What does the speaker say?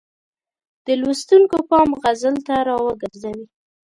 د لوستونکو پام غزل ته را وګرځوي.